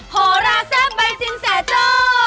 โหราแซ่บใบสินแสโจ้